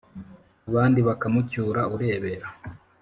abandi bakamucyura urebera